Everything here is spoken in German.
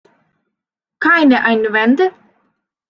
Keine Einwände?